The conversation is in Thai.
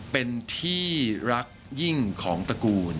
เป็นที่รักยิ่งของตระกูล